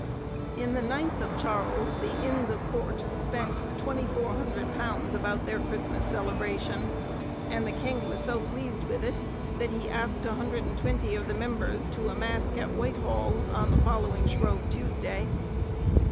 In the ninth of Charles, the Inns of Court spent £2400 about their Christmas celebration, and the king was so pleased with it, that he asked 120 of the members to a mask at Whitehall, on the following Shrove Tuesday.